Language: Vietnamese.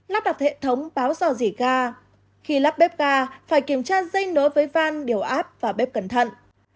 lắp đặt hệ thống báo rò rỉ ga khi lắp bếp ga phải kiểm tra dây nối với van điều áp và bếp cẩn thận